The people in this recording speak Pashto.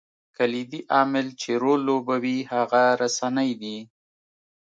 کلیدي عامل چې رول لوبوي هغه رسنۍ دي.